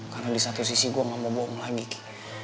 karena di satu sisi gue gak mau bohong lagi ki